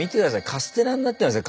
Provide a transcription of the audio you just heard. カステラになってます